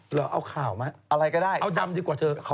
เหรอเอาคลาวไหมเอาดำดีกว่าเธอ